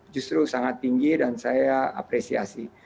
justru sangat tinggi dan saya apresiasi